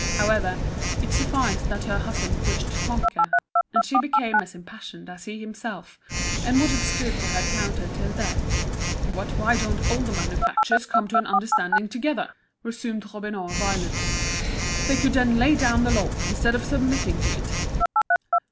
However, it sufficed that her husband wished to conquer, and she became as impassioned as he himself, and would have stood to her counter till death. "But why don't all the manufacturers come to an understanding together?" resumed Robineau, violently. "They could then lay down the law, instead of submitting to it."